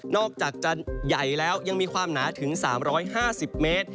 อกจากจะใหญ่แล้วยังมีความหนาถึง๓๕๐เมตร